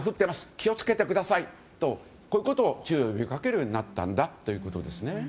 気をつけてくださいということを注意を呼びかけるようになったんだということです。